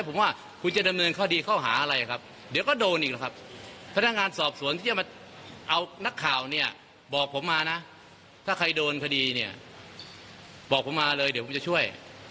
เอานักข่าวเนี่ยบอกผมมานะถ้าใครโดนคดีเนี่ยบอกผมมาเลยเดี๋ยวผมจะช่วย